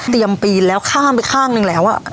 เตรียมปีนแล้วข้างไปข้างหนึ่งแล้ว